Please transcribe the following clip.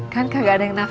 kan kagak ada yang nafkahin